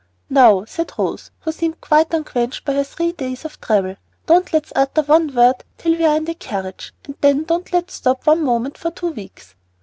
"Now," said Rose, who seemed quite unquenched by her three days of travel, "don't let's utter one word till we are in the carriage, and then don't let's stop one moment for two weeks."